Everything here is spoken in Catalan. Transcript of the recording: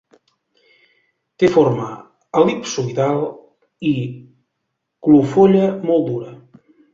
Té forma el·lipsoidal i clofolla molt dura.